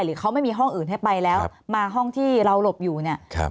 เขาไม่มีห้องอื่นให้ไปแล้วมาห้องที่เราหลบอยู่เนี่ย